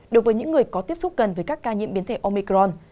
đối với những người có tiếp xúc gần với các ca nhiễm biến thể omicron